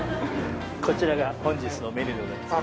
こちらが本日のメニューでございます。